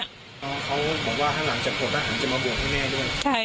เขาบอกว่าห้างหลังจากขวดทหารจะมาบวชให้แม่ด้วย